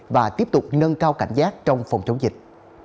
và tiếp tục nâng cao cảnh giác trong phòng chống dịch